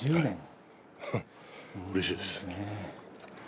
うれしいです。